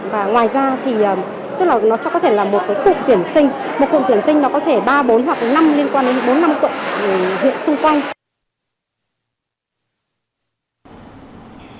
và ngoài ra thì nó có thể là một cục tuyển sinh một cục tuyển sinh có thể ba bốn hoặc năm liên quan đến bốn năm cục huyện xung quanh